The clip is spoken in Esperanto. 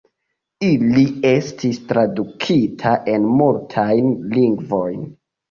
Ili estis tradukita en multajn lingvojn.